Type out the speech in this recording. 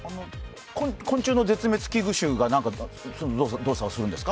昆虫の絶滅危惧種が何か動作をするんですか？